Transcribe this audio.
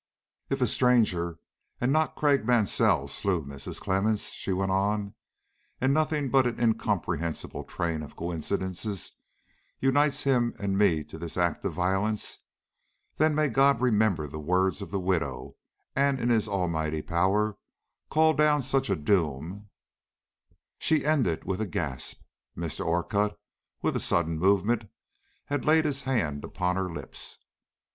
"If a stranger and not Craik Mansell slew Mrs. Clemmens," she went on, "and nothing but an incomprehensible train of coincidences unites him and me to this act of violence, then may God remember the words of the widow, and in His almighty power call down such a doom " She ended with a gasp. Mr. Orcutt, with a sudden movement, had laid his hand upon her lips.